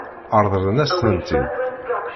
Ṛeḍlen-as-tent-id?